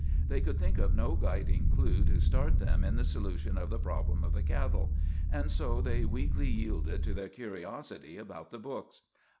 They could think of no guiding clue to start them in the solution of the problem of the cattle, and so they weakly yielded to their curiosity about the books.